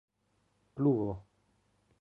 pluvo